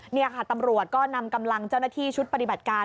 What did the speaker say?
นี่ค่ะตำรวจก็นำกำลังเจ้าหน้าที่ชุดปฏิบัติการ